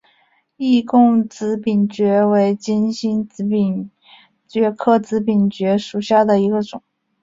易贡紫柄蕨为金星蕨科紫柄蕨属下的一个种。